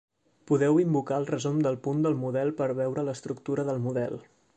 Podeu invocar el resum del punt del model per veure l'estructura del model.